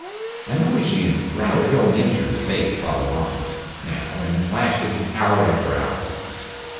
A noisy and rather ill natured debate followed, now, and lasted hour after hour.